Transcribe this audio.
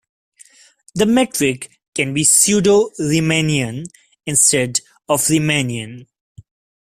The metric can be pseudo-Riemannian instead of Riemannian.